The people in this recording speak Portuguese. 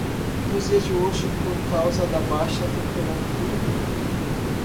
Nos dias de hoje por causa da baixa temperatura